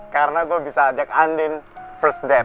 karena gue bisa ajak andin first date